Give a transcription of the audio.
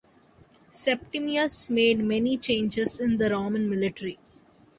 Septimius made many changes in the Roman military.